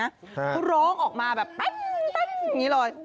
เขาร้องออกมาแบบแป๊บอย่างนี้เลย